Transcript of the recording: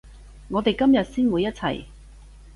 我哋今日先會一齊